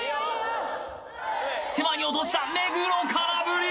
手前に落とした目黒空振り！